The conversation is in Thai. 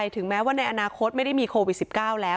ถึงแม้ว่าในอนาคตไม่ได้มีโควิด๑๙แล้ว